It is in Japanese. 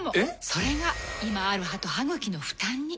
それが今ある歯と歯ぐきの負担に。